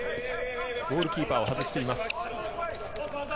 ゴールキーパーを外しています。